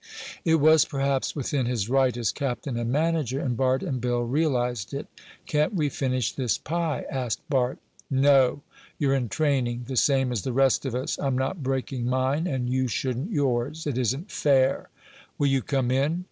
It was, perhaps, within his right as captain and manager, and Bart and Bill realized it. "Can't we finish this pie?" asked Bart. "No! You're in training, the same as the rest of us. I'm not breaking mine, and you shouldn't yours. It isn't fair." "Will you come in?"